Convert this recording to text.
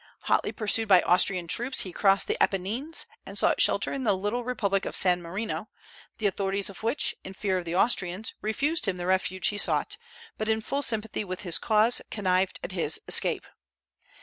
Hotly pursued by Austrian troops he crossed the Apennines, and sought the shelter of the little republic of San Marino, the authorities of which, in fear of the Austrians, refused him the refuge he sought, but in full sympathy with his cause connived at his escape.